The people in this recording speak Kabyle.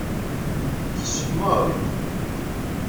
Texsef Mary.